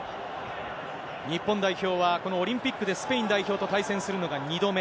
日本代表は、このオリンピックでスペイン代表と対戦するのが２度目。